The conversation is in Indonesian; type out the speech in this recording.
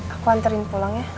aku anterin pulang ya